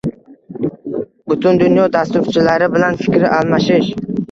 butun dunyo dasturchilari bilan fikr almashish